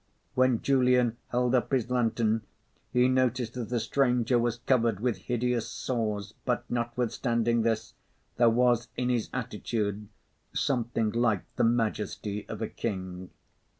When Julian held up his lantern he noticed that the stranger was covered with hideous sores; but notwithstanding this, there was in his attitude something like the majesty of a king.